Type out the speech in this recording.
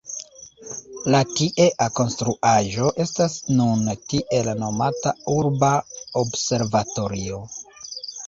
La tiea konstruaĵo estas nun tiel nomata Urba Observatorio.